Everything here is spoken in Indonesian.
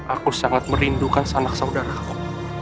aku sangat merindukan sanak saudaraku